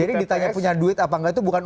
jadi ditanya punya duit apa enggak itu bukan